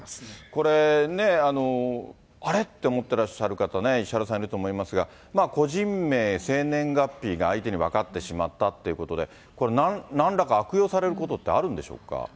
これ、あれ？と思ってらっしゃる方、石原さん、いると思いますが、個人名、生年月日が相手に分かってしまったということで、これ、なんらか悪用されることってあるんでしょうか。